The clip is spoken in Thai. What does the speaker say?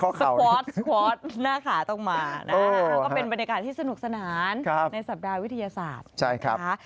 ก็เป็นบรรยากาศที่สนุกสนานในสัปดาห์วิทยาศาสตร์